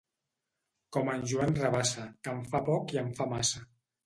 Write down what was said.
Com en Joan Rabassa, que en fa poc i en fa massa.